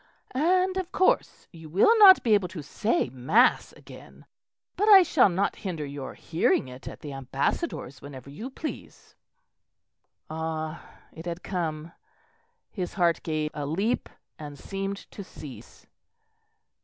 "And, of course, you will not be able to say mass again; but I shall not hinder your hearing it at the Ambassador's whenever you please." Ah! it had come; his heart gave a leap and seemed to cease.